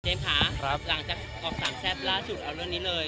เจมส์หลังจากกรอบสามแซ่บล่าโฉทย์เอาเรื่องนี้เลย